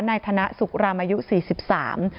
บอกว่าช่วงเกิดเหตุเขากับภรรยากำลังนอนหลับอยู่ในบ้าน